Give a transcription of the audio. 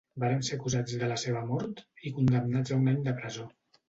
Varen ser acusats de la seva mort i condemnats a un any de presó.